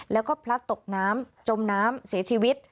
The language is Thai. แล้วก็พลัดตกน้ำจมน้ำเสียชีวิต